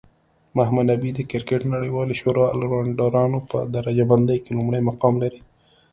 محمد نبي د کرکټ نړیوالی شورا الرونډرانو په درجه بندۍ کې لومړی مقام لري